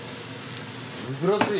珍しい。